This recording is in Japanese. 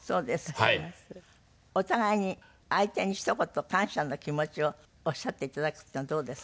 お互いに相手にひと言感謝の気持ちをおっしゃっていただくっていうのはどうですか？